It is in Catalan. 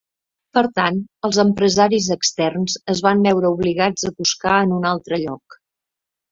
Per tant, els empresaris externs es van veure obligats a buscar en un altre lloc.